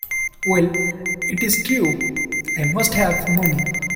Well, it is true; I must have money.